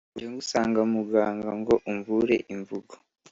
nje ngusanga muganga ngo umvura imvugo